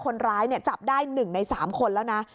คนร้ายจับได้๑ใน๓คนแล้วนะ